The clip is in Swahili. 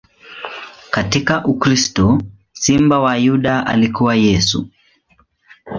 Katika ukristo, Simba wa Yuda alikuwa Yesu.